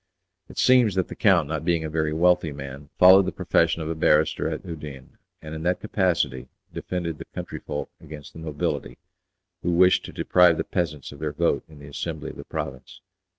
It seems that the count, not being a very wealthy man, followed the profession of a barrister at Udine, and in that capacity defended the country folk against the nobility, who wished to deprive the peasants of their vote in the assembly of the province.